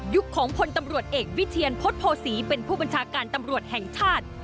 ของพลตำรวจเอกวิเทียนพฤษโภษีเป็นผู้บัญชาการตำรวจแห่งชาติ